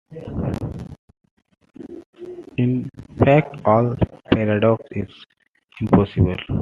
In fact, all paradox is impossible.